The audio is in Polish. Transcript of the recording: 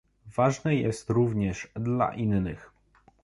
Ważne jest również dla innych